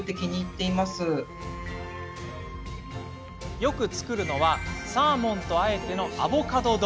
よく作るのはサーモンとあえてのアボカド丼。